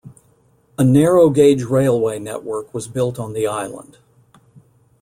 A narrow-gauge railway network was built on the island.